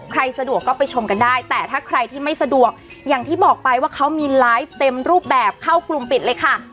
สะดวกก็ไปชมกันได้แต่ถ้าใครที่ไม่สะดวกอย่างที่บอกไปว่าเขามีไลฟ์เต็มรูปแบบเข้ากลุ่มปิดเลยค่ะ